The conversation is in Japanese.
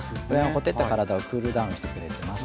ほてった体をクールダウンしてくれてます。